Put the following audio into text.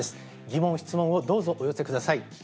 疑問、質問をどうぞお寄せください。